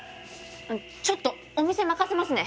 ちょっとお店任せますね！